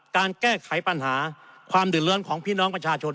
การแก้ไขปัญหาความเดือดร้อนของพี่น้องประชาชน